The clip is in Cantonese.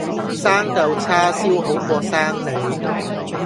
生舊叉燒好過生你